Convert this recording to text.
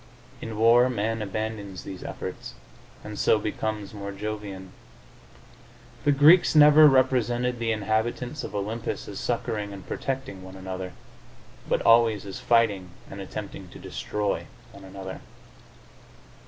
In war man abandons these efforts, and so becomes more jovian. The Greeks never represented the inhabitants of Olympus as succoring and protecting one another, but always as fighting and attempting to destroy one another.